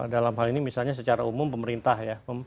dalam hal ini misalnya secara umum pemerintah ya